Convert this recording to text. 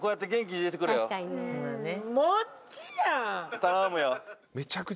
頼むよ。